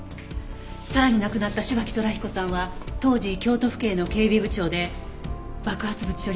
さらに亡くなった芝木寅彦さんは当時京都府警の警備部長で爆発物処理班の出身だった。